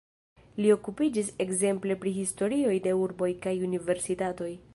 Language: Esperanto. Li okupiĝis ekzemple pri historioj de urboj kaj universitatoj.